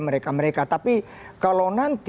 mereka mereka tapi kalau nanti